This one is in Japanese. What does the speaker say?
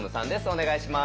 お願いします。